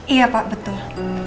iya pak betul